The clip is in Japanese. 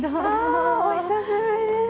お久しぶりです。